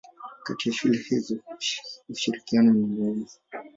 Kati ya shule hizo zote ushirikiano ni muhimu.